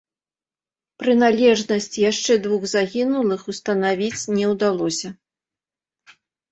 Прыналежнасць яшчэ двух загінулых устанавіць не ўдалося.